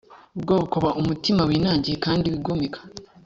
bwoko ba te umutima winangiye kandi wigomeka